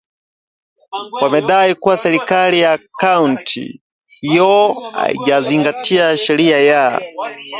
wamedai kuwa serikali ya kaunti hiyo haijazingatia sheria ya